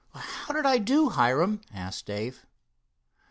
"How did I do, Hiram?" asked Dave.